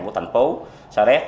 của thành phố sa rét